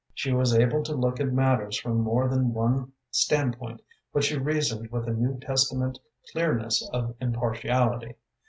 She was able to look at matters from more than one stand point, but she reasoned with a New Testament clearness of impartiality.